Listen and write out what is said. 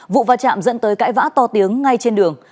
vụ va chạm dẫn tới cãi vã to tiếng ngay trên đường